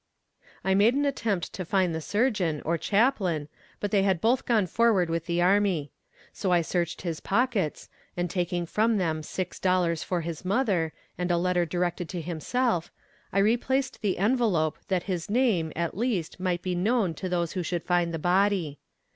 "I made an attempt to find the surgeon, or chaplain, but they had both gone forward with the army. So I searched his pockets, and taking from them six dollars for his mother, and a letter directed to himself, I replaced the envelope, that his name, at least, might be known to those who should find the body.